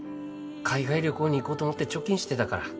海外旅行に行こうと思って貯金してたから。